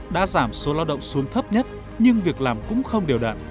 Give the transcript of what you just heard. đã giảm số lao động xuống thấp nhất nhưng việc làm cũng không đều đạn